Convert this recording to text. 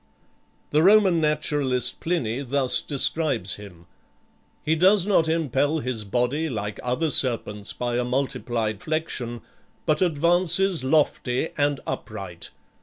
The Roman naturalist Pliny thus describes him: "He does not impel his body, like other serpents, by a multiplied flexion, but advances lofty and upright.